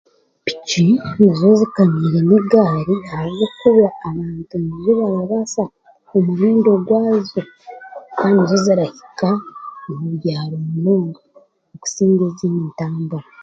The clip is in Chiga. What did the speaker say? Piki nizo zikanyire n'egaari ahabwokuba abantu nizo barabaasa omuhendo gwazo.